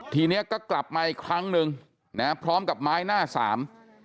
ทีเนี้ยก็กลับมาอีกครั้งหนึ่งนะฮะพร้อมกับไม้หน้าสาม